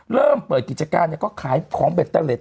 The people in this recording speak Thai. เริ่มเปิดกิจการก็ขายของเบตเตอร์เล็ต